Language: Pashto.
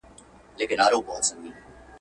وایم اوس به زېری راسي تور وېښته مي ورته سپین کړل!